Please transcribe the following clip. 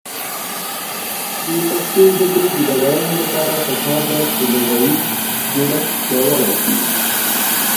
د پښتو ژبې د بډاینې لپاره پکار ده چې لغوي جوړښت پیاوړی شي.